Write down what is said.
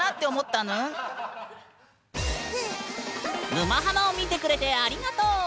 「沼ハマ」を見てくれてありがとう！